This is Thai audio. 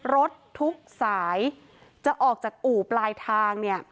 รถทุกสายจะออกจากอู่ปลายทางเนี่ย